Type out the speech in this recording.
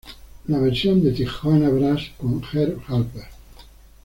La versión de Tijuana Brass con Herb Alpert.